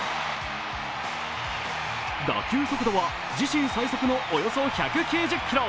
打球速度は自身最速の、およそ１９０キロ。